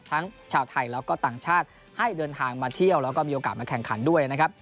ทั้งชาวไทยแล้วก็ต่างชาติให้เดินทางมาเที่ยวแล้วก็มีโอกาสมาแข่งขันด้วยนะครับ